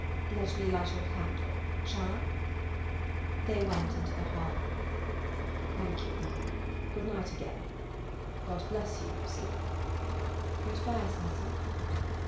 "Let me light your candle, shall I?" They went into the hall. "Thank you. Good night again. God bless you, Lucy!" "Good bye, Cecil."